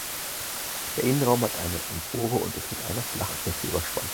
Der Innenraum hat eine Empore und ist mit einer Flachdecke überspannt.